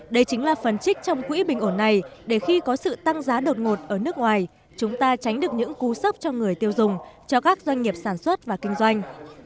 đây chính là phần trích trong quỹ bình ổn này để khi có sự tăng giá đột ngột ở nước ngoài chúng ta tránh được những cú sốc cho người tiêu dùng cho các doanh nghiệp sản xuất và kinh doanh